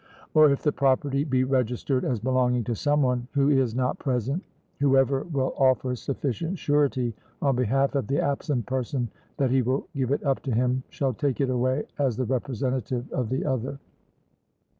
Or if the property be registered as belonging to some one who is not present, whoever will offer sufficient surety on behalf of the absent person that he will give it up to him, shall take it away as the representative of the other.